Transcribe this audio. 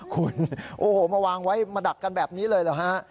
คุณโอ้โหมาวางไว้มาดักกันแบบนี้เลยเหรอฮะ